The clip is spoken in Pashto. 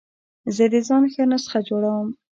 زه د ځان ښه نسخه جوړوم.